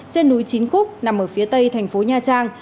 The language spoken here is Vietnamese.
trên núi chín khúc nằm ở phía tây thành phố nha trang